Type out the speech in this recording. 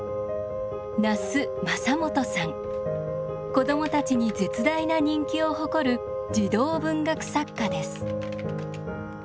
子どもたちに絶大な人気を誇る児童文学作家です。